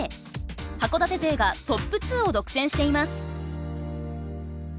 函館勢がトップツーを独占しています。